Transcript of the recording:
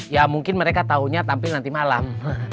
ya mungkin mereka tahunya tampil nanti malam